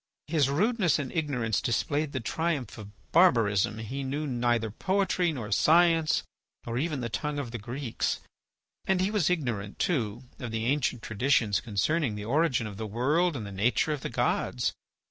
his rudeness and ignorance displayed the triumph of barbarism. He knew neither poetry, nor science, nor even the tongue of the Greeks, and he was ignorant, too, of the ancient traditions concerning the origin of the world and the nature of the gods.